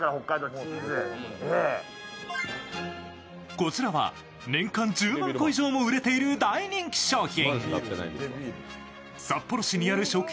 こちらは年間１０万個以上も売れている大人気商品。